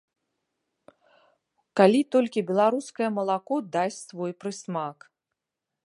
Калі толькі беларускае малако дасць свой прысмак.